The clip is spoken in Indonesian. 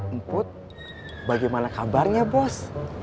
emput bagaimana kabarnya bos